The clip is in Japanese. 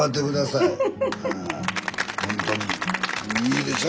いいでしょ？